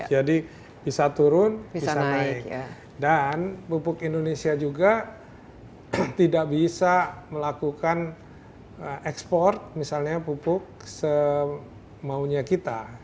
jadi bisa turun bisa naik dan pupuk indonesia juga tidak bisa melakukan ekspor misalnya pupuk semaunya kita